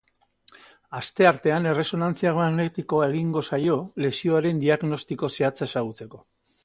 Asteartean erresonantzia magnetikoa egingo zaio lesioaren diagnostiko zehatza ezagutzeko.